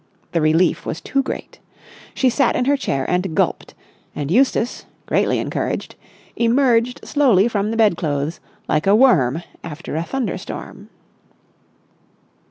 The relief was too great. She sat in her chair and gulped; and Eustace, greatly encouraged, emerged slowly from the bedclothes like a worm after a thunderstorm.